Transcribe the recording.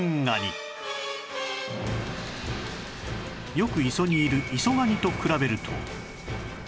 よく磯にいるイソガニと比べると